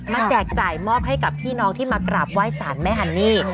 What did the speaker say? แจกจ่ายมอบให้กับพี่น้องที่มากราบไหว้สารแม่ฮันนี่